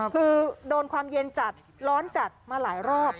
คือโดนความเย็นจัดร้อนจัดมาหลายรอบ